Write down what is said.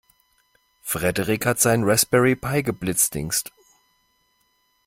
Frederik hat seinen Raspberry Pi geblitzdingst.